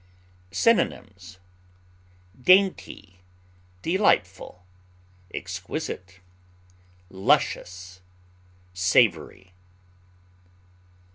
Synonyms: dainty, delightful, exquisite, luscious, savory.